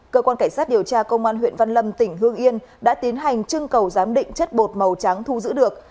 cơ quan cảnh sát điều tra công an huyện văn lâm tỉnh hương yên đã tiến hành trưng cầu giám định chất bột màu trắng thu giữ được